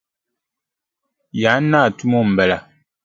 Yaan naa tumo m-bala.